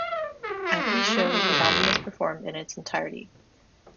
At these shows, the album was performed in its entirety.